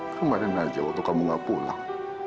kemarin aja waktu kamu gak pulang